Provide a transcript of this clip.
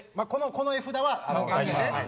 この絵札は大丈夫なんで。